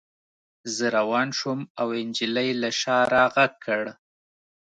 زه روان شوم او نجلۍ له شا را غږ کړ